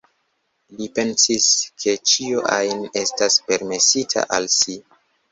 Li pensis ke ĉio ajn estas permesita al si.